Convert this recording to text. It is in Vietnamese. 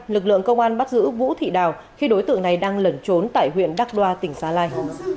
lực lượng công an bắt giữ vũ thị đào khi đối tượng này đang lẩn trốn tại huyện đắk đoa tỉnh gia lai